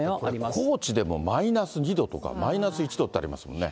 高知でもマイナス２度とか、マイナス１度ってありますもんね。